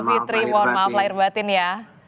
selamat tidur mohon maaf lahir batin ya